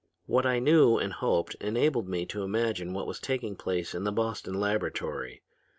"What I knew and hoped enabled me to imagine what was taking place in the Boston laboratory.